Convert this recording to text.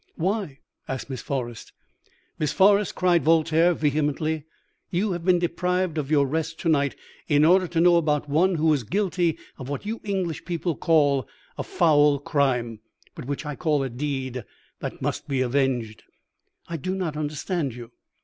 "'Why?' asked Miss Forrest. "'Miss Forrest,' cried Voltaire, vehemently, 'you have been deprived of your rest to night in order to know about one who is guilty of what you English people call a foul crime, but which I call a deed that must be avenged.' "'I do not understand you.'